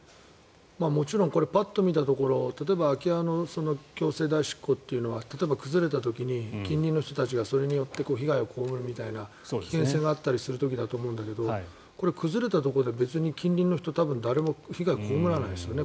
もちろんパッと見たところ例えば空き家の強制代執行というのが例えば、崩れた時に近隣の人たちがそれによって被害を被るみたいな危険性があったりする時だと思うんだけどこれ、崩れたところで別に近隣の人は多分、誰も被害を被らないですよね